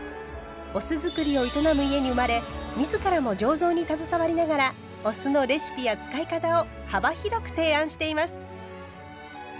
お酢造りを営む家に生まれ自らも醸造に携わりながらお酢のレシピや使い方を幅広く提案しています。